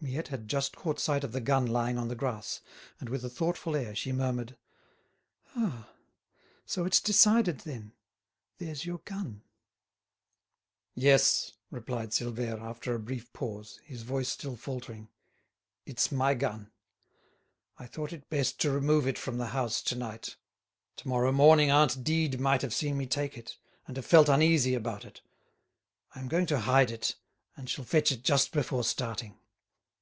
Miette had just caught sight of the gun lying on the grass, and with a thoughtful air, she murmured: "Ah! so it's decided then? There's your gun!" "Yes," replied Silvère, after a brief pause, his voice still faltering, "it's my gun. I thought it best to remove it from the house to night; to morrow morning aunt Dide might have seen me take it, and have felt uneasy about it. I am going to hide it, and shall fetch it just before starting."